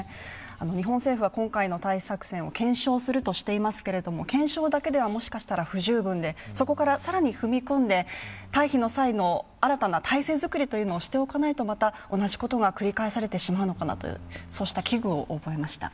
日本政府は今回の退避作戦を検証するとしていますけど検証だけではもしかしたら不十分で、そこから更に踏み込んで、退避の際の新たな体制づくりをしておかないと、また同じことが繰り返されてしまうのかなというそうした危惧を覚えました。